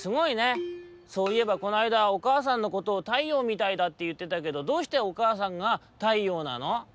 そういえばこのあいだおかあさんのことを太陽みたいだっていってたけどどうしておかあさんが太陽なの？」。